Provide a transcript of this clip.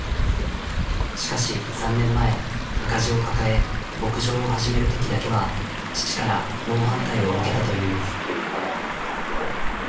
しかし３年前赤字を抱え牧場を始めるときだけは父から猛反対を受けたという。